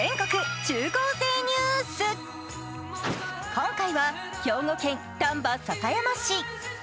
今回は兵庫県丹波篠山市。